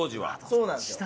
そうなんですよ。